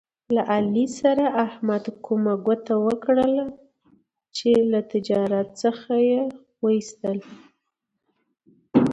له علي سره احمد کومه ګوته وکړله، چې له تجارت څخه یې و ایستلا.